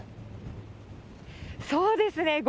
そうですね。